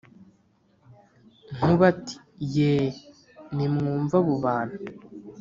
Nkuba ati « yee! Nimwumve abo bantu !